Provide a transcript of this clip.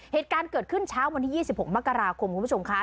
เหตุการณ์เกิดขึ้นเช้าวันที่๒๖มกราคมคุณผู้ชมค่ะ